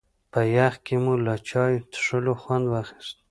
په يخ کې مو له چای څښلو خوند واخيست.